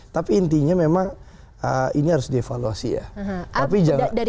tapi intinya memang ini harus dievaluasi ya